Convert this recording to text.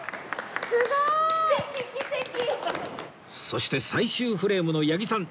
そして最終フレームの八木さん